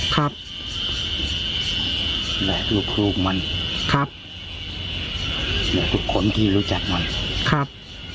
ครับและลูกลูกมันครับทุกคนที่รู้จักมันครับ